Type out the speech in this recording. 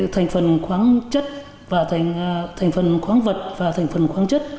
thành phần khoáng chất và thành phần khoáng vật và thành phần khoáng chất